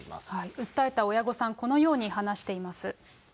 訴えた親御さん、このように話しています。